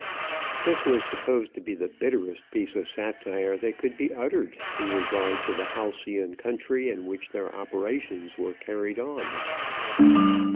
This was supposed to be the bitterest piece of satire that could be uttered in regard to the halcyon country in which their operations were carried on.